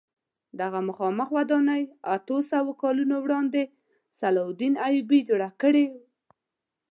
دغه مخامخ ودانۍ اتو سوو کلونو وړاندې صلاح الدین ایوبي جوړه کړې.